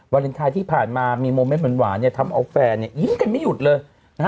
วาเลนไทยที่ผ่านมามีโมเมนต์หวานเนี่ยทำเอาแฟนเนี่ยยิ้มกันไม่หยุดเลยนะฮะ